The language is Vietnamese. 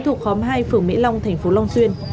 thuộc khóm hai phường mỹ long thành phố long xuyên